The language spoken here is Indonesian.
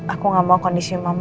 aku gak mau kondisi mama